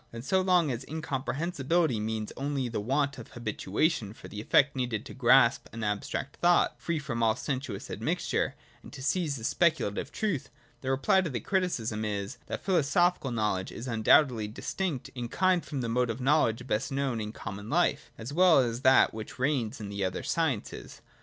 And so long as incomprehensibility means only the want of habituation for the effort needed to grasp an abstract thought, free from all sensuous admixture, and to seize a speculative truth, the reply to the criticism is, that philosophical knowledge is undoubtedly distinct in kind from the mode of knowledge best known in common life, as well as from that which reigns in the other sciences.